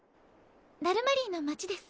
ダルマリーの町です。